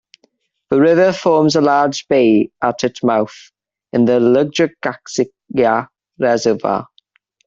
The river forms a large bay at its mouth in the Liujiaxia Reservoir.